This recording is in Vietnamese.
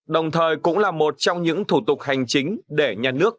đồng thời cũng là một trong những thủ tục hành chính để nhà nước